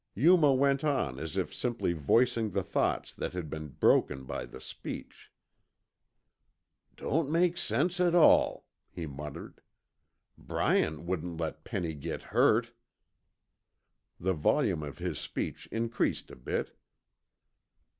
Yuma went on as if simply voicing the thoughts that had been broken by the speech. "Don't make sense at all," he muttered. "Bryant wouldn't let Penny git hurt." The volume of his speech increased a bit.